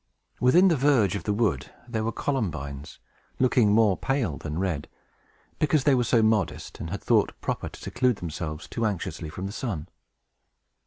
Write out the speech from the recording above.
Within the verge of the wood there were columbines, looking more pale than red, because they were so modest, and had thought proper to seclude themselves too anxiously from the sun.